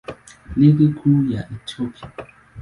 Ligi Kuu ya Ethiopia.